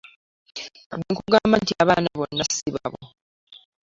Bwe nkugamba nti abaana bonna si babo?